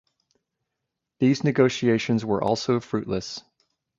These negotiations were also fruitless.